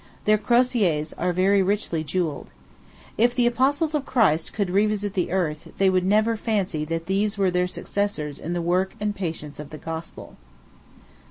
Their crosiers are very richly jewelled. If the apostles of Christ could revisit the earth, they would never fancy that these were their successors in the work and patience of the gospel.